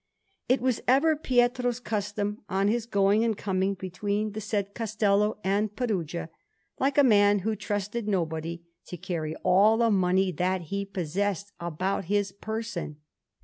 It was ever Pietro's custom on his going and coming between the said Castello and Perugia, like a man who trusted nobody, to carry all the money that he possessed about his person.